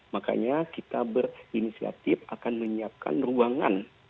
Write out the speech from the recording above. makanya kita berinisiatif akan menyiapkan ruangan